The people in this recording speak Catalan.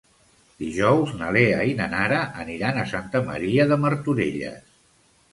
Dijous na Lea i na Nara aniran a Santa Maria de Martorelles.